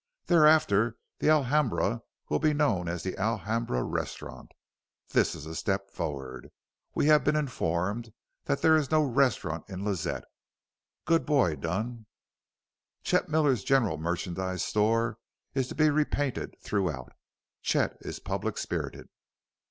Thereafter the Alhambra will be known as the Alhambra Restaurant. This is a step forward. We have been informed that there is no restaurant in Lazette. Good boy, Dunn. Chet Miller's general merchandise store is to be repainted throughout. Chet is public spirited.